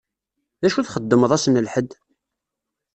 D acu txeddmeḍ ass n lḥedd?